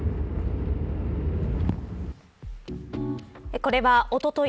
これはおととい